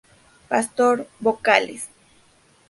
Pastor, vocales.